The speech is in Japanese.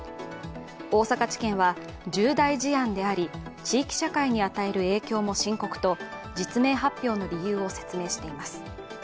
大阪地検は重大事案であり、地域社会に与える影響も深刻と実名発表の理由を説明しています。